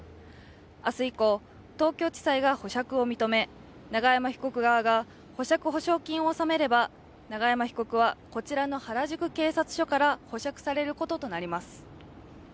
明日以降、東京地裁が保釈を認め、永山被告側が保釈保証金を納めれば永山被告はこちらの原宿警察署から保釈されるものとなります。